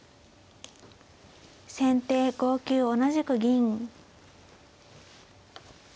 先手５九同じく銀。